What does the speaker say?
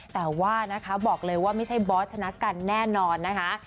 แต่ว่านะคะบอกเลยว่าไม่ใช่บอสชนะกันแน่นอนนะคะ